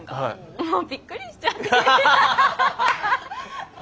もうびっくりしちゃって。